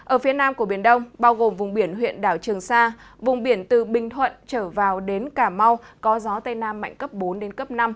ở phía nam của biển đông bao gồm vùng biển huyện đảo trường sa vùng biển từ bình thuận trở vào đến cà mau có gió tây nam mạnh cấp bốn đến cấp năm